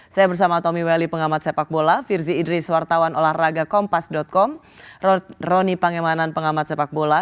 saya bersama tommy welly pengamat sepak bola firzi idris wartawan olahraga kompas com rony pangemanan pengamat sepak bola